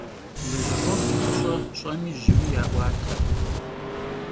Lejak'uef' yi f'ış'e ş'emi jımi ya'uate.